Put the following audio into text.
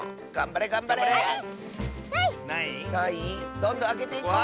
どんどんあけていこう！